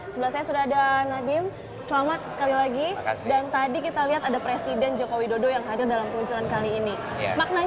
sebelah saya sudah ada nadiem selamat sekali lagi dan tadi kita lihat ada presiden joko widodo yang hadir dalam peluncuran kali ini